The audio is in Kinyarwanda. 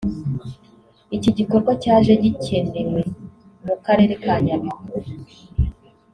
Iki gikorwa cyaje gikenewe mu karere ka Nyabihu